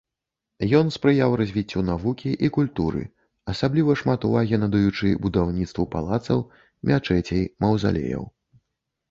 Ён спрыяў развіццю навукі і культуры, асабліва шмат увагі надаючы будаўніцтву палацаў, мячэцей, маўзалеяў.